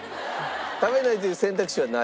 食べないという選択肢はない？